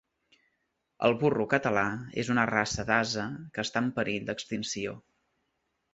El burro català és una raça d'ase que està en perill d'extinció